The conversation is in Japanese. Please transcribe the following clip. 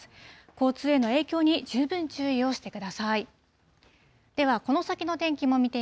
交通への影響に十分注意をしてください。